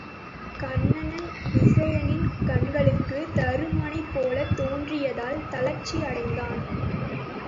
கன்னன் விசயனின் கண்களுக்குத் தருமனைப் போலத் தோன்றியதால் தளர்ச்சி அடைந்தான்.